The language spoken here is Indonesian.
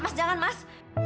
mas jangan mas